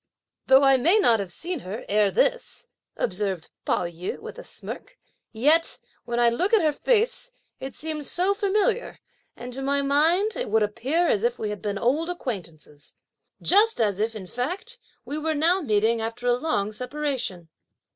"Though I may not have seen her, ere this," observed Pao yü with a smirk, "yet when I look at her face, it seems so familiar, and to my mind, it would appear as if we had been old acquaintances; just as if, in fact, we were now meeting after a long separation."